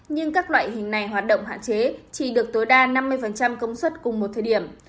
nhưng các loại hình này hoạt động hạn chế chỉ được tối đa năm mươi công suất cùng một thời điểm